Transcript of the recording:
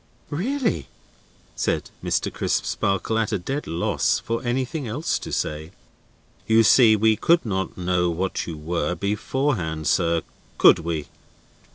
"Really?" said Mr. Crisparkle, at a dead loss for anything else to say. "You see, we could not know what you were beforehand, sir; could we?"